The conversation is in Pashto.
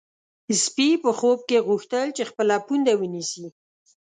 سپی په خوب کې غوښتل چې خپل پونده ونیسي.